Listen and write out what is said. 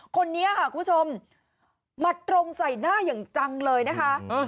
คนนี้ค่ะคุณผู้ชมมัดตรงใส่หน้าอย่างจังเลยนะคะ